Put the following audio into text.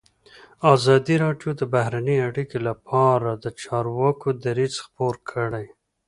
ازادي راډیو د بهرنۍ اړیکې لپاره د چارواکو دریځ خپور کړی.